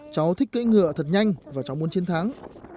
cháu thích cỡ ngựa thật nhanh và cháu muốn chiến thắng